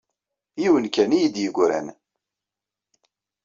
Yiwet kan i yi-d-yegran.